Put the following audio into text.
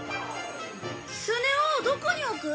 「スネ夫どこに置く？」